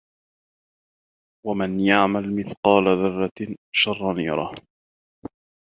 وَمَن يَعمَل مِثقالَ ذَرَّةٍ شَرًّا يَرَهُ